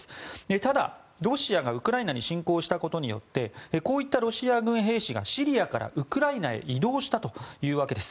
ただ、ロシアがウクライナに侵攻したことによってこういったロシア軍兵士がシリアからウクライナへ移動したというわけです。